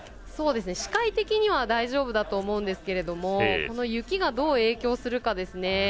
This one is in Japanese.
視界的には大丈夫だと思うんですけどこの雪がどう影響するかですね。